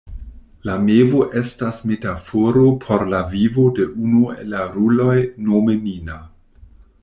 La mevo estas metaforo por la vivo de unu el la roluloj, nome Nina.